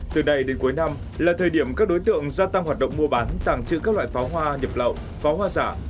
từ nay đến cuối năm là thời điểm các đối tượng gia tăng hoạt động mua bán tàng trữ các loại pháo hoa nhập lậu pháo hoa giả